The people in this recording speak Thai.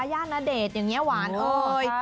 ย่านณเดชน์อย่างนี้หวานเอ่ย